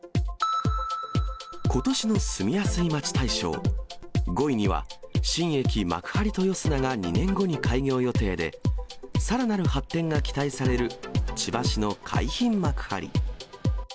ことしの住みやすい街大賞、５位には新駅、幕張豊砂が２年後に開業予定で、さらなる発展が期待される千葉市の海浜幕張。